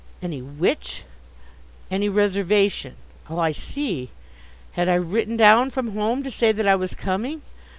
Any which? Any reservation. Oh, I see, had I written down from home to say that I was coming?